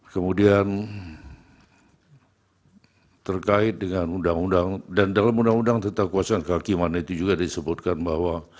kemudian terkait dengan undang undang dan dalam undang undang tentang kekuasaan kehakiman itu juga disebutkan bahwa